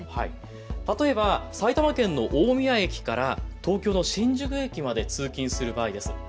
例えば埼玉県の大宮駅から東京の新宿駅まで通勤する場合です。